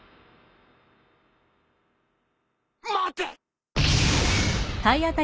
待て！